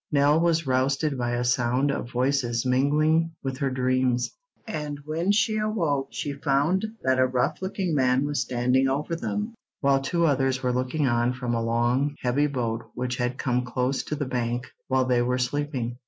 Nell was roused by a sound of voices mingling with her dreams, and when she awoke she found that a rough looking man was standing over them, while two others were looking on from a long, heavy boat which had come close to the bank while they were sleeping.